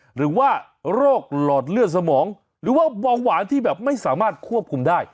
หรือว่าโรคหลอดเลือดสมองหรือว่าเบาหวานที่แบบไม่สามารถควบคุมได้